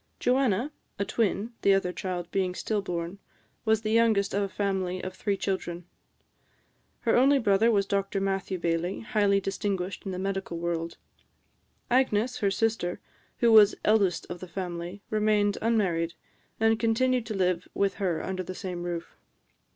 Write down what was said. Joanna a twin, the other child being still born was the youngest of a family of three children. Her only brother was Dr Matthew Baillie, highly distinguished in the medical world. Agnes, her sister, who was eldest of the family, remained unmarried, and continued to live with her under the same roof.